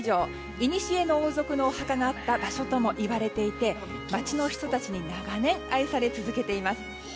いにしえの王族のお墓があった場所ともいわれていて町の人たちに長年、愛され続けています。